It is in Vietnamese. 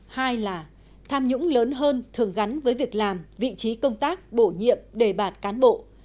hai là tham nhũng lớn hơn thường gắn với việc làm vị trí công tác bổ nhiệm đề bạt cán bộ